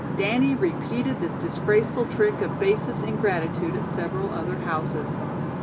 Danny repeated this disgraceful trick of basest ingratitude at several other houses.